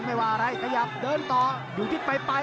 ไม่ว่าอะไรขยับเดินต่ออยู่ทิศไปปลาย